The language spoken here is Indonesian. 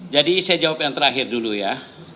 jadi saya jawab yang terakhir dulu ya